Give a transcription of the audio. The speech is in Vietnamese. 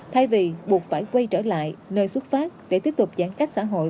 thay vì buộc phải quay trở lại nơi xuất phát để tiếp tục giãn cách xã hội